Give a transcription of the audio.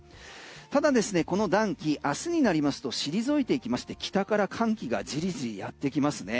ただですね、この暖気明日になりますと退いていきまして寒気がじりじりやってきますね。